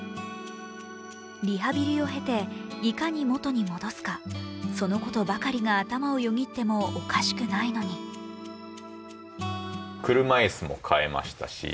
リハビリを経て、いかに元に戻すか、そのことばかりが頭をよぎってもおかしくないのに変化を恐れなかったからこそ